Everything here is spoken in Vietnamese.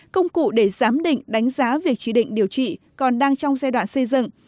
công cụ để giám định đánh giá việc chỉ định điều trị còn đang trong giai đoạn xây dựng